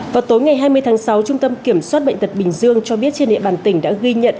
vào tối ngày hai mươi tháng sáu trung tâm kiểm soát bệnh tật bình dương cho biết trên địa bàn tỉnh đã ghi nhận